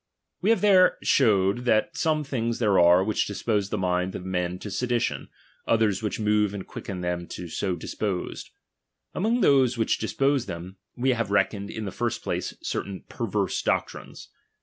We have there showed, that''"""' some things there are, which dispose the minds of men to sedition, others which move and quicken them so disposed. Among those which dispose them, we have reckoned in the first place certain perverse doctrines.